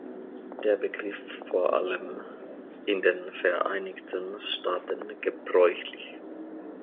Der Begriff ist vor allem in den Vereinigten Staaten gebräuchlich.